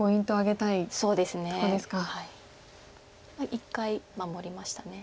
一回守りました。